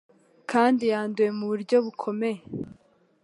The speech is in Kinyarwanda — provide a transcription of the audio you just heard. kandi yanduye mu buryo bukomeye